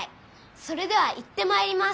それでは行ってまいります。